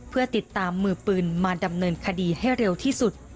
เพื่อติดตามมือปืนมาดำเนินคดีให้เร็วที่สุด